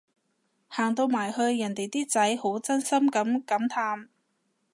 行到埋去人哋啲仔好真心噉感嘆